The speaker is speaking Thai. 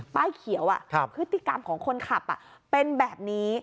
ป้ายเขียวพฤติกรรมของคนขับเป็นแบบนี้